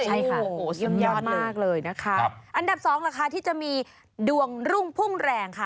ใช่ค่ะยิ่งยอดเลยนะครับอันดับ๒ล่ะค่ะที่จะมีดวงรุ่งพุ่งแรงค่ะ